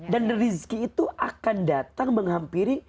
dan rezeki itu akan datang menghampiri